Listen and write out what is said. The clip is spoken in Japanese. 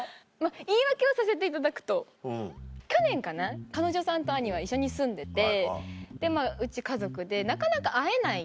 言い訳をさせていただくと去年かな彼女さんと兄は一緒に住んでてうち家族でなかなか会えない。